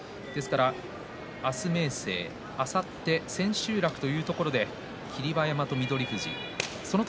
明日、あさっての千秋楽というところで霧馬山、翠富士